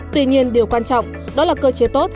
tuy nhiên điều quan trọng đó là cơ chế tốt